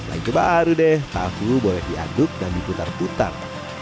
selain kebaru deh tahu boleh diaduk dan diputar putar